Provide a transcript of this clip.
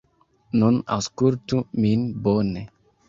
Nun aŭskultu min bone.